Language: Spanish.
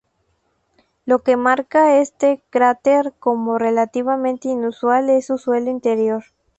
Lo que marca este cráter como relativamente inusual es su suelo interior.